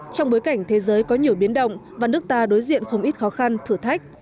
trong bối cảnh thế giới có nhiều biến động và nước ta đối diện không ít khó khăn thử thách